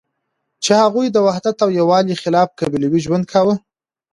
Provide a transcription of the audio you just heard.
چی هغوی د وحدت او یوالی خلاف قبیلوی ژوند کاوه